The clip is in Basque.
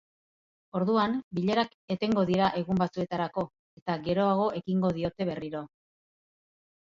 Orduan, bilerak etengo dira egun batzuetarako, eta geroago ekingo diote berriro.